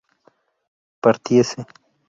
partiese